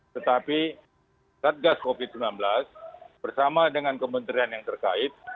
tetapi satgas covid sembilan belas bersama dengan kementerian yang terkait